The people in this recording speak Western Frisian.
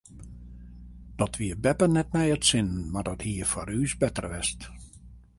Dat wie beppe net nei it sin mar dat hie foar ús better west.